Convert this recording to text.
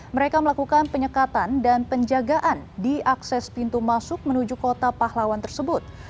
mereka melakukan penyekatan dan penjagaan di akses pintu masuk menuju kota pahlawan tersebut